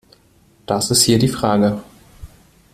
Das ist hier die Frage.